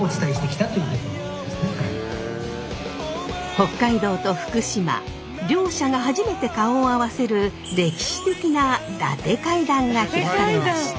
北海道と福島両者が初めて顔を合わせる歴史的な伊達会談が開かれました。